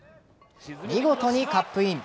見事にカップイン。